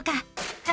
はい。